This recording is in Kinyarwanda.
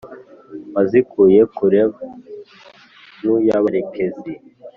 wazikuye kure nkuyabarekezi,